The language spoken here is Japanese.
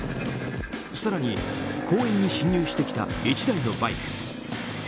更に公園に進入してきた１台のバイク。